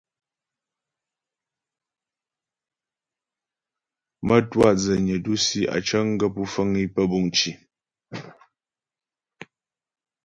Mə́twâ dzənyə dǔsi á cəŋ gaə́ pú fəŋ é pə́ buŋ cì.